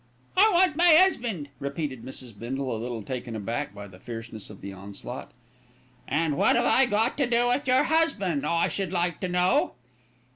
"I want my 'usband," repeated Mrs. Bindle, a little taken aback by the fierceness of the onslaught. "An' what have I got to do with your husband, I should like to know?"